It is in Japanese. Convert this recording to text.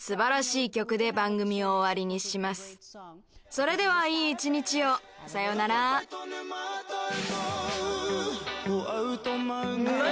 それではいい一日をさようなら何？